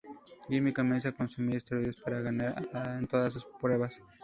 Jimmy comienza a consumir esteroides para ganar en todas sus pruebas.